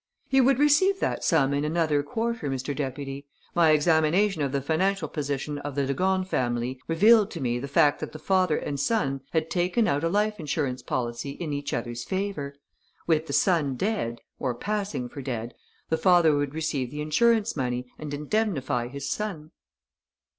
"He would receive that sum in another quarter, Mr. Deputy. My examination of the financial position of the de Gorne family revealed to me the fact that the father and son had taken out a life insurance policy in each other's favour. With the son dead, or passing for dead, the father would receive the insurance money and indemnify his son."